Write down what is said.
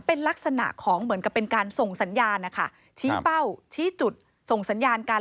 เป็นลักษณะของเหมือนกับเป็นการส่งสัญญาณนะคะชี้เป้าชี้จุดส่งสัญญาณกัน